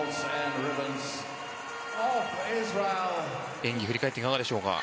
演技、振り返っていかがでしょうか。